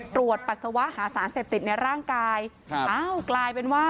ตรวจปัสสาวะหาสารเสพติดในร่างกาย